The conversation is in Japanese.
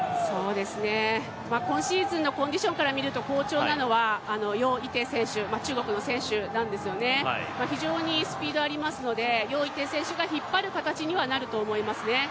今シーズンのコンディションから見ると好調なのは余依テイ選手、中国の選手なんですよね、非常にスピードがありますので余依テイ選手が引っ張る形にはなると思いますね。